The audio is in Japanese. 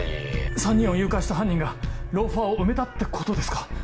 ３人を誘拐した犯人がローファーを埋めたってことですか⁉